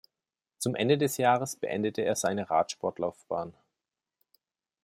Zum Ende des Jahres beendete er seine Radsportlaufbahn.